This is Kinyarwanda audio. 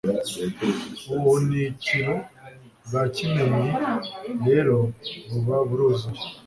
ubuhunikiro bwa Kimenyi rero buba buruzuye,